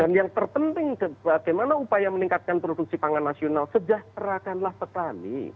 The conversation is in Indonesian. dan yang terpenting bagaimana upaya meningkatkan produksi pangan nasional sejahterakanlah petani